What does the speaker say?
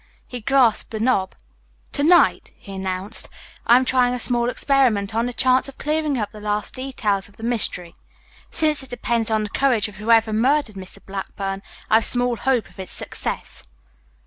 He grasped the knob. "To night," he announced, "I am trying a small experiment on the chance of clearing up the last details of the mystery. Since it depends on the courage of whoever murdered Mr. Blackburn I've small hope of its success."